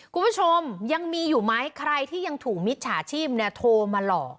คุณผู้ชมยังมีอยู่ไหมใครที่ยังถูกมิจฉาชีพเนี่ยโทรมาหลอก